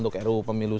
sampai jumpa lagi